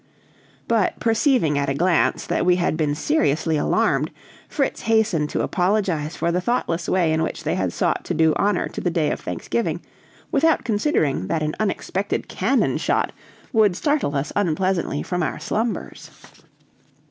But perceiving at a glance that we had been seriously alarmed, Fritz hastened to apologize for the thoughtless way in which they had sought to do honor to the Day of Thanksgiving, without considering that an unexpected cannon shot would startle us unpleasantly from our slumbers.